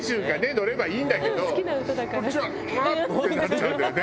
乗ればいいんだけどこっちはあっ？ってなっちゃうんだよね